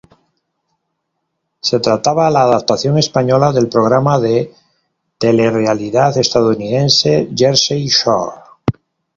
Se trataba la adaptación española del programa de telerrealidad estadounidense Jersey Shore.